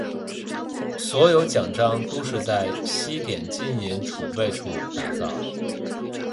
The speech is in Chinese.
所有奖章都是在西点金银储备处打造。